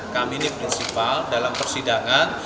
kami ini prinsipal dalam persidangan